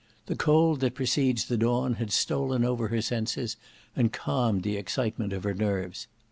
The cold that precedes the dawn had stolen over her senses, and calmed the excitement of her nerves.